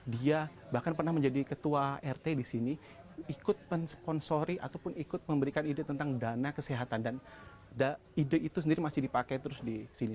dia bahkan pernah menjadi ketua rt di sini ikut mensponsori ataupun ikut memberikan ide tentang dana kesehatan dan ide itu sendiri masih dipakai terus di sini